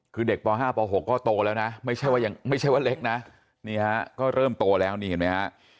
คือเด็กป๕ป๖ก็โตแล้วนะไม่ใช่ว่ายังไม่ใช่ว่าเล็กนะนี่ฮะก็เริ่มโตแล้วนี่เห็นไหมฮะ